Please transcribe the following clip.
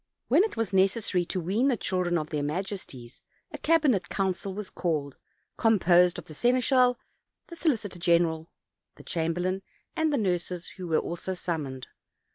When it was necessary to wean the children of their majesties a cabinet council was called, composed of the seneschal, the solicitor general, the chamberlain, and the nurses, who were also summoned.